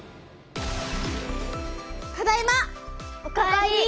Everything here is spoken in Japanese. ただいま！お帰り。